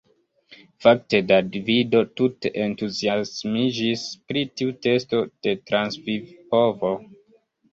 Fakte Davido tute entuziasmiĝis pri tiu testo de transvivpovo.